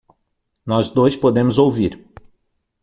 Nós dois podemos ouvir.